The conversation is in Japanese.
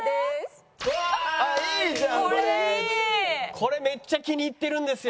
これめっちゃ気に入ってるんですよ。